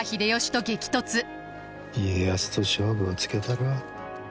家康と勝負をつけたるわ。